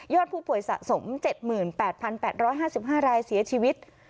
ผู้ป่วยสะสม๗๘๘๕๕รายเสียชีวิต